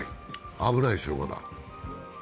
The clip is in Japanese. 危ないですよ、まだ。